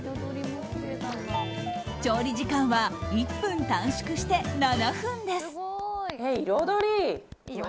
調理時間は１分短縮して７分です！